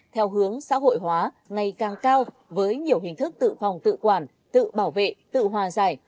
theo hướng xã hội hóa ngày càng cao với nhiều hình thức tự phòng tự quản tự bảo vệ tự hòa giải